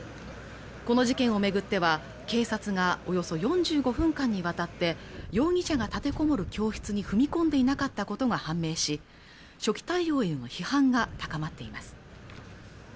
この事件をめぐっては警察がおよそ４５分間にわたって容疑者が立てこもる教室に踏み込んでいなかったことが判明し初期対応への批判が高まっています